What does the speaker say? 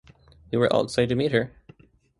We were all excited to meet her.